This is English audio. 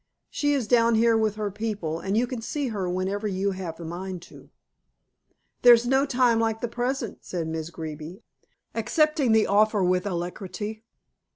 She is down here with her people, and you can see her whenever you have a mind to." "There's no time like the present," said Miss Greeby, accepting the offer with alacrity.